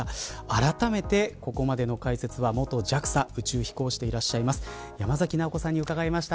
あらためて、ここまでの解説は元ＪＡＸＡ宇宙飛行士でいらっしゃいます山崎直子さんに伺いました。